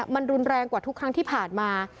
มันรุนแรงกว่าทุกครั้งที่ผ่านมา